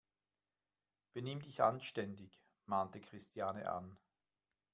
Benimm dich anständig!, mahnte Christiane an.